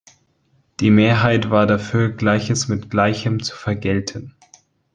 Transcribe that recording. Die Mehrheit war dafür, Gleiches mit Gleichem zu vergelten.